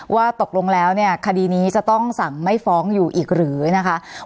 ว่าตกลงแล้วเนี่ยคดีนี้จะต้องสั่งไม่ฟ้องอยู่อีกหรือนะคะ